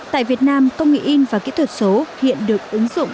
tại việt nam công nghệ in và kỹ thuật số hiện được ứng dụng